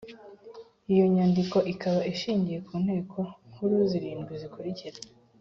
iyo nyandiko ikaba ishingiye ku ntego nkuru zirindwi zikurikira: